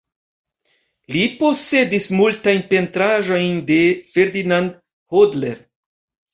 Li posedis multajn pentraĵojn de Ferdinand Hodler.